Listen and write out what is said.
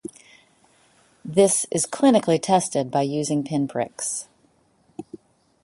This is clinically tested by using pin pricks.